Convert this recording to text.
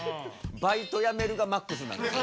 「バイトやめる」がマックスなんです。